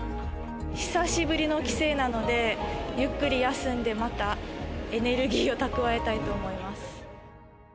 久しぶりの帰省なので、ゆっくり休んで、またエネルギーを蓄えたいと思います。